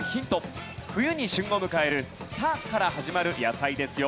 冬に旬を迎える「た」から始まる野菜ですよ。